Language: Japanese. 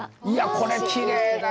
いやこれきれいだな。